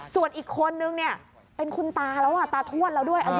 ส่วนอีกคนนึงเนี่ยเป็นคุณตาแล้วตาทวดแล้วด้วย